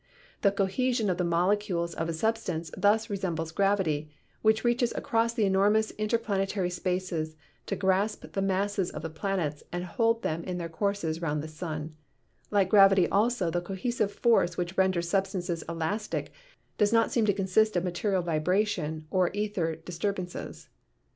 The cohesion of the molecules of a substance thus resem bles gravity, which reaches across the enormous inter planetary spaces to grasp the masses of the planets and hold them in their courses round the sun; like gravity also the cohesive force which renders substances elastic does not seem to consist of material vibration or ether dis turbances.